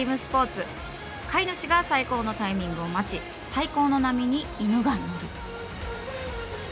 飼い主が最高のタイミングを待ち最高の波に犬が乗る。